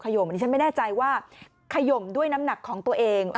ยมอันนี้ฉันไม่แน่ใจว่าขยมด้วยน้ำหนักของตัวเอง